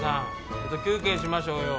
ちょっと休憩しましょうよ。